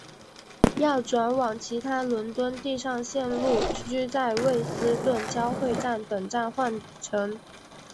要转往其他伦敦地上线路须在卫斯顿交汇站等站换乘。